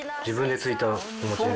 自分でついたお餅。